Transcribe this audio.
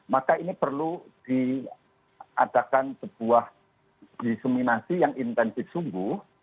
maka ini perlu diadakan sebuah diseminasi yang intensif sungguh